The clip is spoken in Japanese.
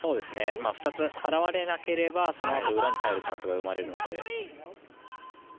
２つ、払われなければそのあと、裏に入るチャンスが生まれるので。